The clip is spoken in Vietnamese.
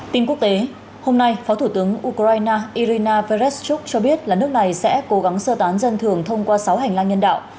tin quốc tế hôm nay phó thủ tướng ukraine irina faressrok cho biết là nước này sẽ cố gắng sơ tán dân thường thông qua sáu hành lang nhân đạo